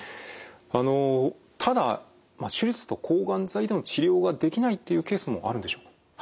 あのただ手術と抗がん剤での治療ができないっていうケースもあるんでしょうか？